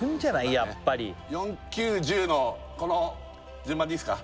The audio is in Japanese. やっぱり４９１０のこの順番でいいっすか？